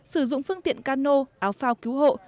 sử dụng phương tiện cano áo phao cứu hộ